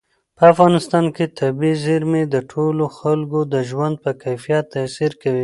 په افغانستان کې طبیعي زیرمې د ټولو خلکو د ژوند په کیفیت تاثیر کوي.